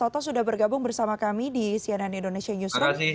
toto sudah bergabung bersama kami di cnn indonesia newsroom